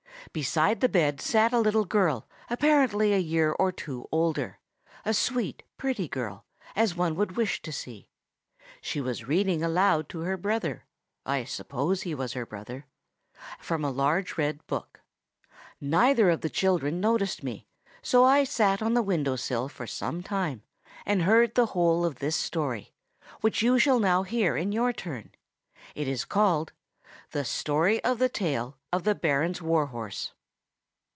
Beside the bed sat a little girl, apparently a year or two older; a sweet, pretty girl, as one would wish to see. She was reading aloud to her brother (I suppose he was her brother) from a large red book. Neither of the children noticed me, so I sat on the window sill for some time, and heard the whole of this story, which you shall now hear in your turn. It is called THE STORY OF THE TAIL OF THE BARON'S WAR HORSE.